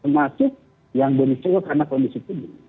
termasuk yang berisiko karena kondisi tubuh